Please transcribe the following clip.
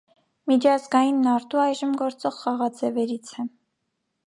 Միջազգային նարդու այժմ գործող խաղաձևերից է։